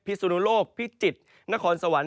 สุนุโลกพิจิตรนครสวรรค์